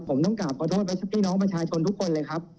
ผมต้องกลับขอโทษไปพี่น้องประชาชนทุกคนเลยครับ